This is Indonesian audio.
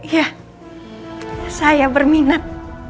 ya saya berminat